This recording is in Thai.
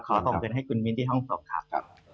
ส่งเงินให้คุณมิ้นที่ห้องสอบครับ